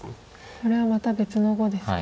これはまた別の碁ですか。